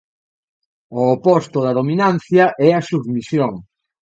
O oposto da dominancia é a submisión.